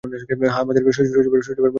হ্যাঁ, আমার শৈশবের বন্ধু এফ খান।